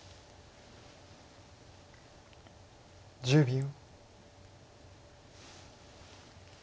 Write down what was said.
１０秒。